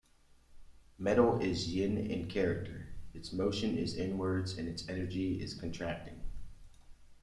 Metal is yin in character, its motion is inwards and its energy is contracting.